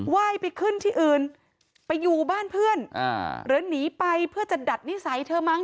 ว่ายไปขึ้นที่อื่นไปอยู่บ้านเพื่อนหรือหนีไปเพื่อจะดัดนิสัยเธอมั้